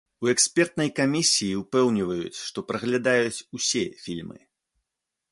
У экспертнай камісіі ўпэўніваюць, што праглядаюць усе фільмы.